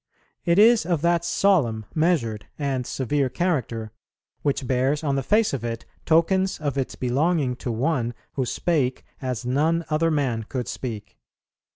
It is of that solemn, measured, and severe character, which bears on the face of it tokens of its belonging to One who spake as none other man could speak.